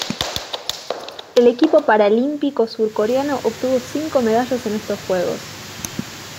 El equipo paralímpico surcoreano obtuvo cinco medallas en estos Juegos.